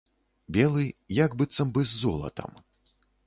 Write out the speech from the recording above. Белы, як быццам бы з золатам.